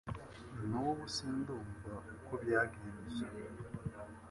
Nubu sindumva uko byagenze